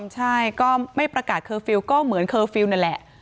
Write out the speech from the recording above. ใช่ก็ไม่ประกาศเคอร์ฟิลล์ก็เหมือนเคอร์ฟิลล์นั่นแหละ